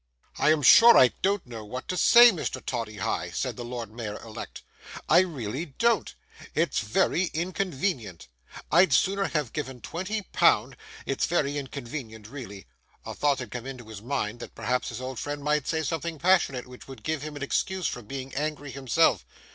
'I am sure I don't know what to say, Mr. Toddyhigh,' said the Lord Mayor elect; 'I really don't. It's very inconvenient. I'd sooner have given twenty pound,—it's very inconvenient, really.'—A thought had come into his mind, that perhaps his old friend might say something passionate which would give him an excuse for being angry himself.